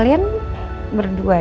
kok rupanya memavent dirinya